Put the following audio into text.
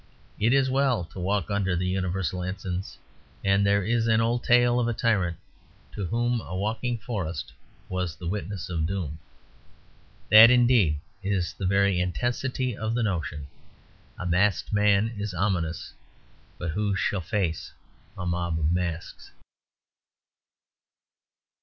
It is well to walk under universal ensigns; and there is an old tale of a tyrant to whom a walking forest was the witness of doom. That, indeed, is the very intensity of the notion: a masked man is ominous; but who shall face a mob of masks?